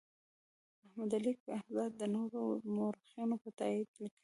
احمد علي کهزاد د نورو مورخینو په تایید لیکي.